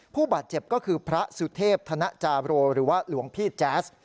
ผู้บาดเจ็บก็คือพระสุเทพธนจาโรหรือว่าหลวงพี่แจ๊ส